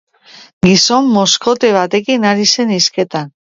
Gizon mozkote batekin ari zen hizketan.